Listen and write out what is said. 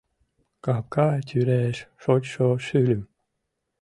Капка тӱреш шочшо шӱльым